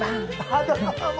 あっどうも。